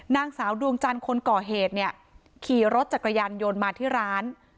นางสาวดวงจันทร์คนก่อเหตุเนี่ยขี่รถจักรยานยนต์มาที่ร้าน